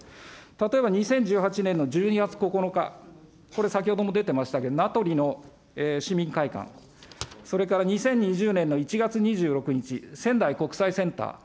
例えば２０１８年の１２月９日、これ先ほども出てましたけど、なとりの市民会館、それから２０２０年の１月２６日、仙台国際センター。